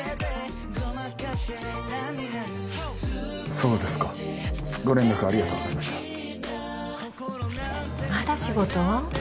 そうですかご連絡ありがとうございましたまだ仕事？